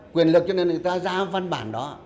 quyền lực cho nên người ta ra văn bản đó